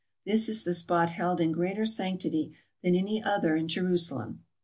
This is the spot held in greater sanctity than any other in Jerusalem.